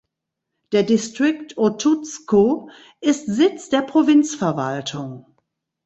Der Distrikt Otuzco ist Sitz der Provinzverwaltung.